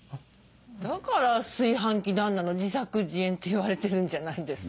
だから炊飯器旦那の自作自演っていわれてるんじゃないんですか？